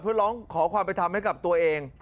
เพื่อร้องขอความเป็นธรรมให้กับตัวเอง